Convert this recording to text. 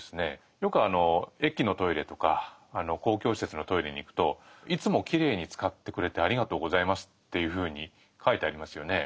よく駅のトイレとか公共施設のトイレに行くと「いつもきれいに使ってくれてありがとうございます」っていうふうに書いてありますよね。